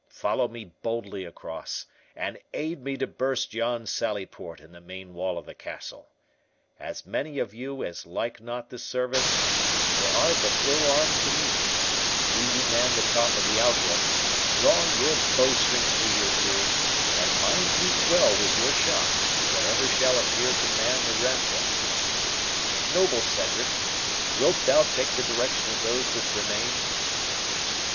Follow me boldly across, and aid me to burst yon sallyport in the main wall of the castle. As many of you as like not this service, or are but ill armed to meet it, do you man the top of the outwork, draw your bow strings to your ears, and mind you quell with your shot whatever shall appear to man the rampart—Noble Cedric, wilt thou take the direction of those which remain?"